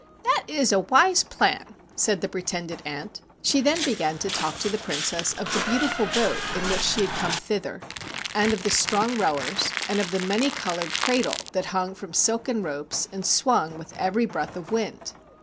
"That is a wise plan," said the pretended aunt. She then began to talk to the Princess of the beautiful boat in which she had come thither, and of the strong rowers, and of the many colored cradle that hung from silken ropes and swung with every breath of wind.